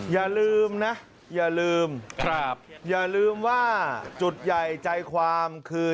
อย่าลืมนะอย่าลืมอย่าลืมว่าจุดใหญ่ใจความคือ